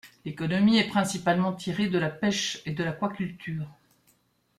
L'économie est principalement tirée de la pêche et de l’aquaculture.